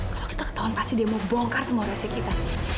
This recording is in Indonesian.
kalau kita ketahuan pasti dia mau bongkar semua resep kita